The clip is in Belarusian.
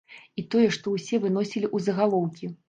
І тое, што ўсе выносілі ў загалоўкі.